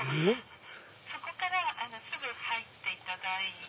そこからすぐ入っていただいて。